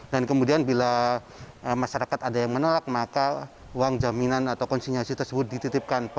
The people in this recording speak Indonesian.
dan kemudian bila masyarakat ada yang menolak maka uang jaminan atau konsinyasi tersebut dititipkan